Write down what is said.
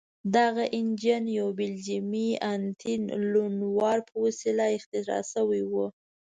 دغه انجن یو بلجیمي اتین لونوار په وسیله اختراع شوی و.